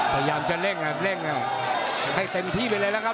พยายามจะเร่งเร่งให้เต็มที่ไปเลยนะครับ